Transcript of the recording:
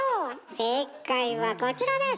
正解はこちらです！